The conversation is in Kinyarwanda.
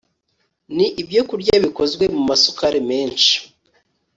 ni ibyokurya bikozwe mu masukari menshi